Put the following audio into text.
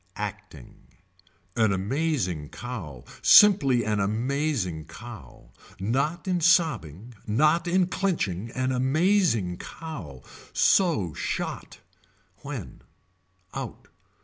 Acting. An amazing cow. Simply an amazing cow. Not in sobbing. Not in clenching. An amazing cow. So shot. When. Out.